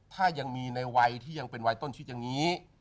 ถ้ายังมีในวัยที่ยังเป็นวัยต้นชีวิตอย่างนี้